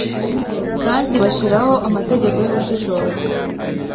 Kandi bashiraho amategeko yubushishozi